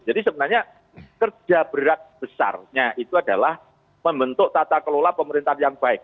jadi sebenarnya kerja berat besarnya itu adalah membentuk tata kelola pemerintahan yang baik